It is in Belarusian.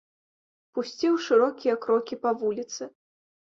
Пусціў шырокія крокі па вуліцы.